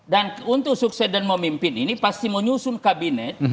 dan untuk sukses dan memimpin ini pasti menyusun kabinet